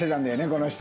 この人。